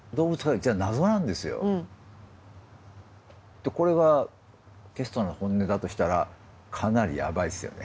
でこれがケストナーの本音だとしたらかなりやばいですよね。